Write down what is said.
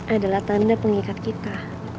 adalah tanda pengikat kita